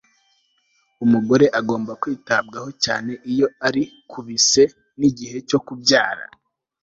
umugore agomba kwitabwaho cyane iyo ari ku bise n'igihe cyo kubyara